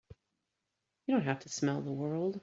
You don't have to smell the world!